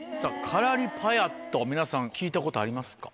カラリパヤット皆さん聞いたことありますか？